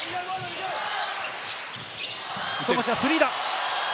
富樫のスリーだ！